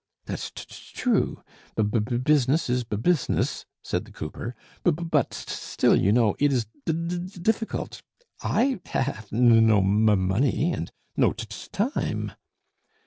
"That's t true; b b business is b business," said the cooper. "B b but, st still, you know, it is d d difficult. I h have n no m m money and n no t t time."